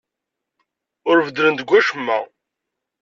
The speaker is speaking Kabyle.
Ur beddlen deg wacemma.